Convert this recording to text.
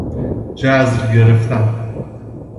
جذر گرفتن